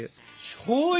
しょうゆ？